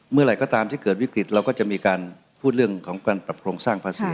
เมื่อไหร่ก็ตามที่เกิดวิกฤตเราก็จะมีการพูดเรื่องของการปรับโครงสร้างภาษี